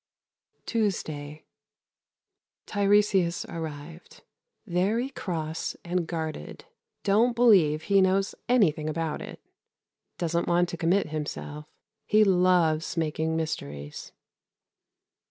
Tuesday. Tiresias arrived. Very cross and guarded. Don't believe he knows anything about it. Doesn't want to commit himself. He loves making mysteries.